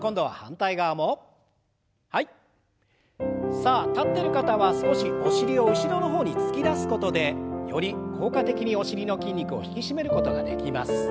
さあ立ってる方は少しお尻を後ろの方に突き出すことでより効果的にお尻の筋肉を引き締めることができます。